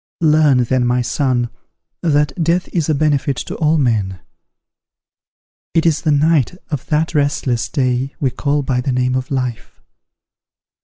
"Learn then, my son, that death is a benefit to all men: it is the night of that restless day we call by the name of life.